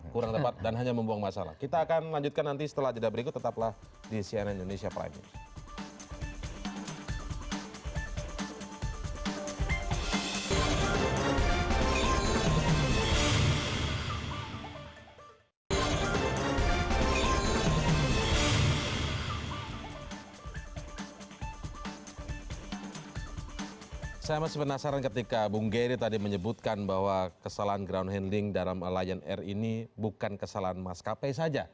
kurang tepat dan hanya membuang masalah kita akan lanjutkan nanti setelah jeda berikut tetaplah di cnn indonesia prime